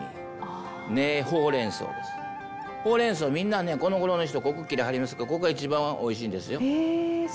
ほうれん草みんなねこのごろの人ここ切りはりますけどもここが一番おいしいんですよ。